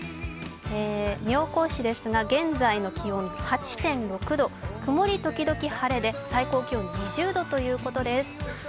妙高市ですが、現在の気温８．６度曇り時々晴れで最高気温２０度ということです。